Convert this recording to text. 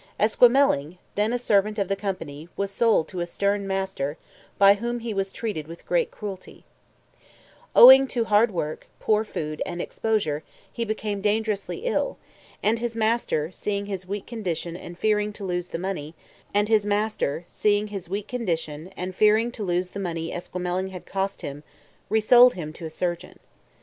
Esquemeling then a servant of the company was sold to a stern master by whom he was treated with great cruelty. Owing to hard work, poor food and exposure he became dangerously ill, and his master seeing his weak condition and fearing to lose the money Esquemeling had cost him resold him to a surgeon.